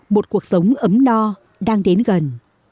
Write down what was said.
một cuộc sống ấm no đang đến gần